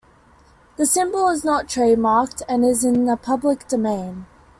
The symbol is not trademarked and is in the public domain.